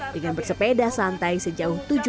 dengan bersepeda santai sejauh tujuh belas delapan km